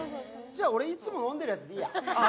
俺、いつも飲んでるやつでいいや。